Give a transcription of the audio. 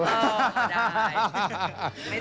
อ๋อได้